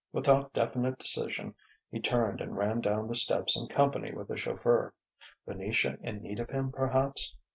Without definite decision, he turned and ran down the steps in company with the chauffeur: Venetia in need of him, perhaps....